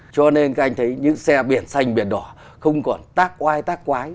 cho nên các anh thấy những xe biển xanh biển đỏ không còn tác oai tác quái